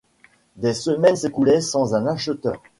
Des semaines s’écoulaient sans un acheteur.